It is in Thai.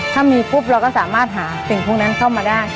ถ้ามีปุ๊บเราก็สามารถหาสิ่งพวกนั้นเข้ามาได้